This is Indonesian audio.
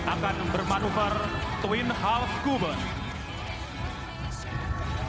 akan bermanufa twin half goblin